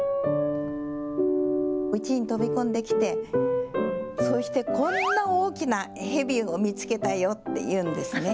うちに飛び込んできて、そしてこんな大きなヘビを見つけたよって言うんですね。